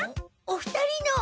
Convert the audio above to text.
お二人の。